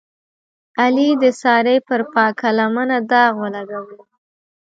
علي د سارې پر پاکه لمنه داغ ولګولو.